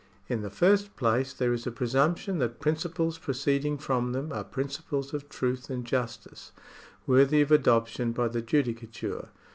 In the first place there is a presumption that principles proceeding from them are principles of truth and justice, worthy of adoption by the judicature.